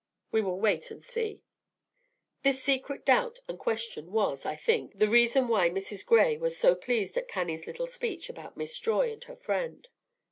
We will wait and see." This secret doubt and question was, I think, the reason why Mrs. Gray was so pleased at Cannie's little speech about Miss Joy and her friend.